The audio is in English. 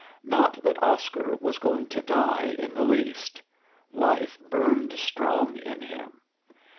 Not that Oscar was going to die in the least. Life burned strong in him.